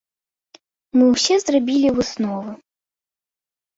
Мы ўсе зрабілі высновы.